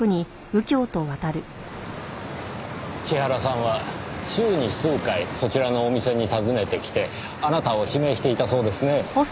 千原さんは週に数回そちらのお店に訪ねてきてあなたを指名していたそうですね。